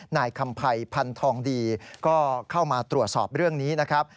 นายคำภัยพันธองดีก็เข้ามาตรวจสอบเรื่องนี้นะครับ